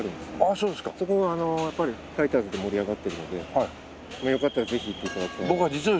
そこがあのやっぱりファイターズで盛り上がってるのでよかったらぜひ行って頂きたいな。